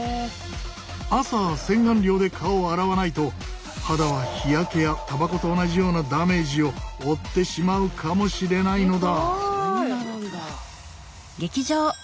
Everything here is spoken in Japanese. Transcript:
朝洗顔料で顔を洗わないと肌は日焼けやたばこと同じようなダメージを負ってしまうかもしれないのだ！